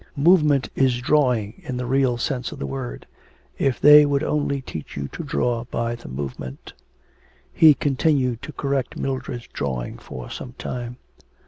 'Movement is drawing in the real sense of the word. If they would only teach you to draw by the movement.' He continued to correct Mildred's drawing for some time.